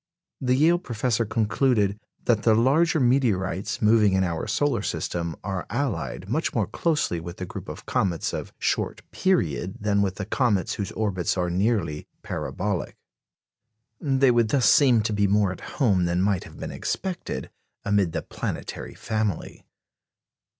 The Yale Professor concluded "that the larger meteorites moving in our solar system are allied much more closely with the group of comets of short period than with the comets whose orbits are nearly parabolic." They would thus seem to be more at home than might have been expected amid the planetary family.